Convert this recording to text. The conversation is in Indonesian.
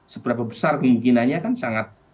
seberapa besar kemungkinannya kan sangat